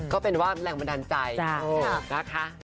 ก็เป็นว่าแรงบันดาลใจนะคะ